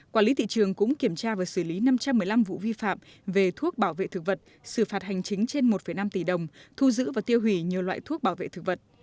quản lý thị trường cũng kiểm tra và xử lý năm trăm một mươi năm vụ vi phạm về thuốc bảo vệ thực vật xử phạt hành chính trên một năm tỷ đồng thu giữ và tiêu hủy nhiều loại thuốc bảo vệ thực vật